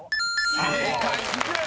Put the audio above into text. ［正解！］